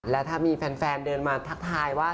แล้วถ้ามีแฟนเดินมาทักทายว่า